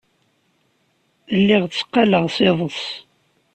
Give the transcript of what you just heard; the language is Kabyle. Lliɣ tteqqaleɣ s iḍes.